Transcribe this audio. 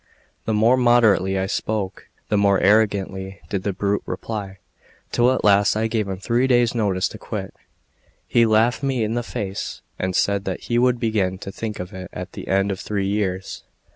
The more moderately I spoke, the more arrogantly did the brute reply; till at last I gave him three days' notice to quit. He laughed me in the face, and said that he would begin to think of it at the end of three years.